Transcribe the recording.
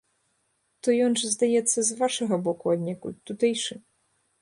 То ён жа, здаецца, з вашага боку аднекуль, тутэйшы.